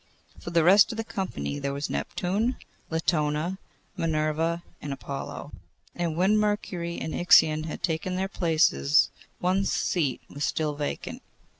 For the rest of the company there was Neptune, Latona, Minerva, and Apollo, and when Mercury and Ixion had taken their places, one seat was still vacant.